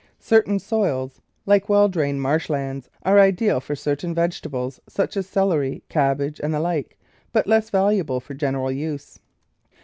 Certain THE LOCATION OF THE GARDEN soils, like well drained marsh lands, are ideal for certain vegetables, such as celery, cabbage, and the like, but less valuable for general use.